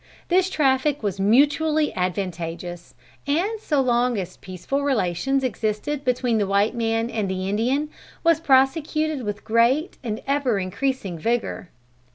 This traffic was mutually advantageous, and so long as peaceful relations existed between the white man and the Indian, was prosecuted with great and ever increasing vigor.